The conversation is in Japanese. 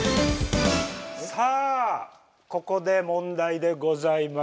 さあここで問題でございます。